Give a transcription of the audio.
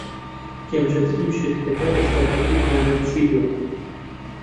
گەمژەترین شت کە تا ئێستا کردووتانە چی بووە؟